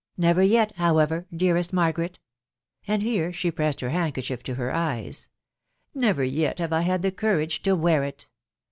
never yet, however, dealest Margaret 1" — 'and here she pressed her handkerchief to her eyes,— awever yelhawe i had the eottrasje to wear it.